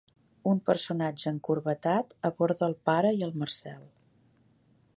Un personatge encorbatat aborda el pare i el Marcel.